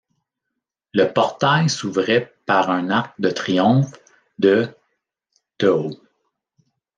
Le portail s’ouvrait par un arc de triomphe de de haut.